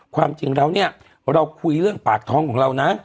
ความจริงแล้วเนี่ยเราคุยเรื่องปากท้องของเรานะ